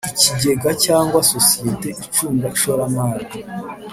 Ikigega cyangwa sosiyete icunga ishoramari